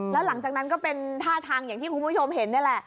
แล้วหลังจากนั้นก็เป็นท่าทางอย่างที่คุณผู้ชมเห็นนี่แหละ